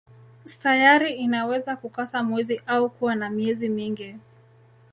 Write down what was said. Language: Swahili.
Sayari inaweza kukosa mwezi au kuwa na miezi mingi.